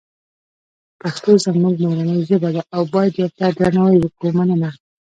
پښتوزموږمورنی ژبه ده اوبایدورته درناوی وکومننه